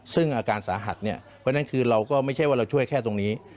ซึ่งอาการสาหัสเนี่ยเพราะฉะนั้นคือเราก็ไม่ใช่ว่าเราช่วยแค่ตรงนี้